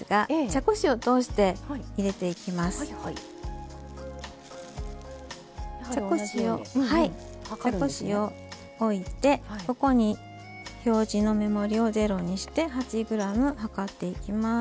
茶こしをおいてここに表示の目盛りを０にして８ｇ量っていきます。